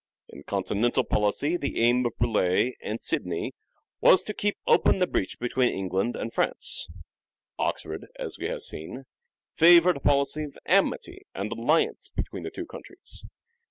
In continental policy the aim of Burleigh (and Sidney) was to keep open the breach between England and France. MANHOOD OF DE VERE 357 Oxford, as we have seen, favoured a policy of amity and alliance between the two countries.